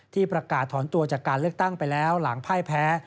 ประกาศถอนตัวจากการเลือกตั้งไปแล้วหลังพ่ายแพ้